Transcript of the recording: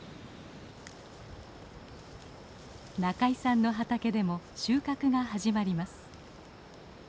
仲井さんの畑でも収穫が始まります。